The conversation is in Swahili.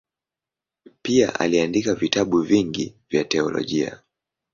Pia aliandika vitabu vingi vya teolojia.